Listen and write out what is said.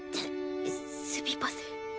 すすみません。